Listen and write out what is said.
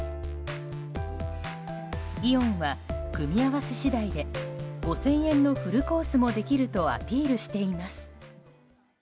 イオンは組み合わせ次第で５０００円のフルコースもできるとアピールしています。